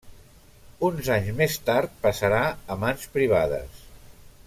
Uns anys més tard passarà a mans privades.